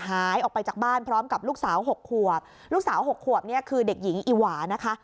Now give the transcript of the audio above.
หายออกไปจากบ้านพร้อมกับลูกสาว๖ขวบลูกสาว๖ขวบเนี่ยคือเด็กหญิงอิหวานะคะ